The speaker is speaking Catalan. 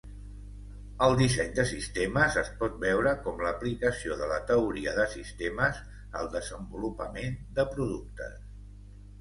El disseny de sistemes es pot veure com l'aplicació de la teoria de sistemes al desenvolupament de productes.